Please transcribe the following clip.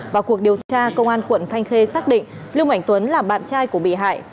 vào cuộc điều tra công an quận thanh khê xác định lưu ảnh tuấn là bạn trai của bị hại